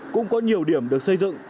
cũng có nhiều điểm được xây dựng